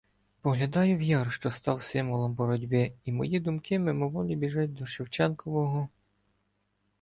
Поглядаю в яр, що став символом боротьби, і мої думки мимоволі біжать до Шевченкового: